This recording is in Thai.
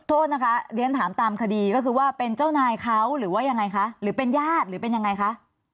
โทษนะคะเรียนถามตามคดีก็คือว่าเป็นเจ้านายเขาหรือว่ายังไงคะหรือเป็นญาติหรือเป็นยังไงคะ